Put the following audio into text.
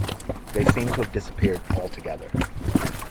They seemed to have disappeared altogether.